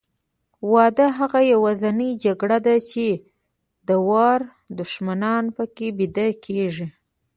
واده هغه یوازینۍ جګړه ده چې دواړه دښمنان پکې بیده کېږي.